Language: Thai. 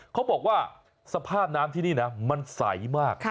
เขาบอกว่าสภาพน้ำที่นี่นะมันใสมาก